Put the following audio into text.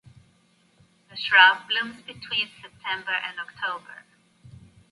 The shrub blooms between September and October.